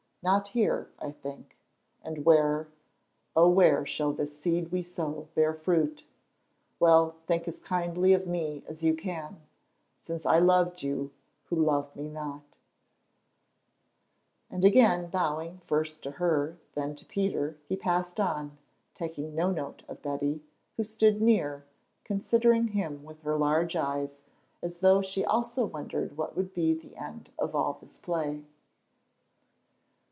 Not here, I think. And where, oh where shall this seed we sow bear fruit? Well, think as kindly of me as you can, since I loved you who love me not." "We are players in a strange game, my lady Margaret" And again bowing, first to her, then to Peter, he passed on, taking no note of Betty, who stood near, considering him with her large eyes, as though she also wondered what would be the end of all this play.